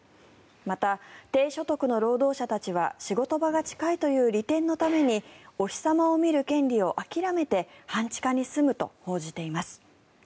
また低所得の労働者たちは仕事場が近いという利点のためにお日様を見る権利を諦めて半地下に住むと報じています。